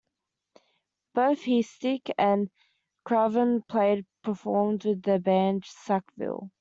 Both Heistek and Craven played performed with the band Sackville.